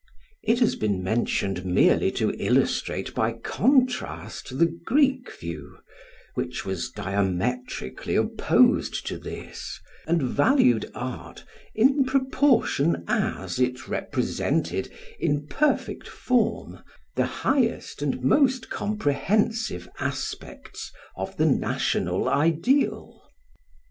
It has been mentioned merely to illustrate by contrast the Greek view, which was diametrically opposed to this, and valued art in proportion as it represented in perfect form the highest and most comprehensive aspects of the national ideal.